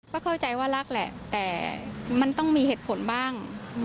ก็เข้าใจว่ารักแหละแต่มันต้องมีเหตุผลบ้าง